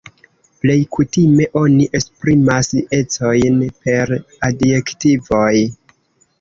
Plej kutime oni esprimas ecojn per adjektivoj.